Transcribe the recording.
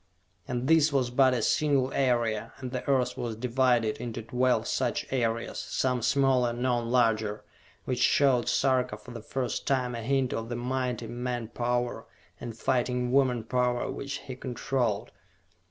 And this was but a single area, and the earth was divided into twelve such areas, some smaller, none larger, which showed Sarka for the first time a hint of the mighty man power, and fighting woman power which he controlled.